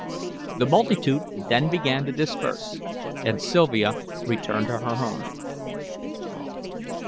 The multitude then began to disperse, and Sylvia returned to her home.